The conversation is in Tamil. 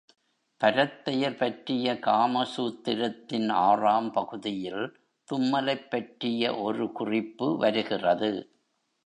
பரத்தையர் பற்றிய காம சூத்திரத்தின் ஆறாம் பகுதியில் தும்மலைப் பற்றிய ஒரு குறிப்பு வருகிறது.